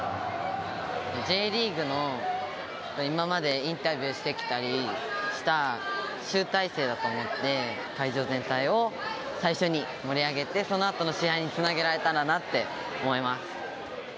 Ｊリーグの今までインタビューしてきたりした集大成だと思って会場ぜんたいを最初にもり上げてそのあとの試合につなげられたらなって思います。